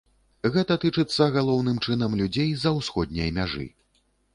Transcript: Гэта тычыцца галоўным чынам людзей з-за ўсходняй мяжы.